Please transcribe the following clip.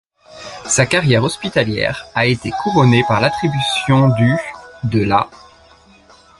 Sa carrière hospitalière a été couronnée par l'attribution du ' de la '.